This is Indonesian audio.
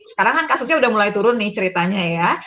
sekarang kan kasusnya udah mulai turun nih ceritanya ya